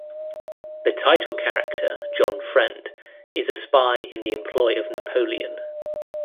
The title character, John Friend, is a spy in the employ of Napoleon.